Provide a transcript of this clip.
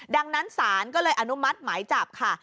ดังนั้นศาลก็เลยอนุมัติหมายจับค่ะ